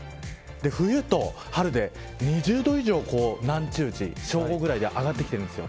冬と春で２０度以上正午ぐらいに上がってきているんです。